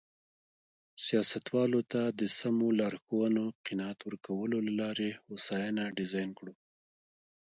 سیاستوالو ته د سمو لارښوونو قناعت ورکولو له لارې هوساینه ډیزاین کړو.